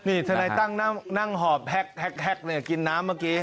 นี่เธอในตั้งนั่งหอบแฮกกินน้ำเมื่อกี้